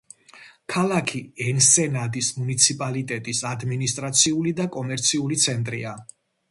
ქალაქი ენსენადის მუნიციპალიტეტის ადმინისტრაციული და კომერციული ცენტრია.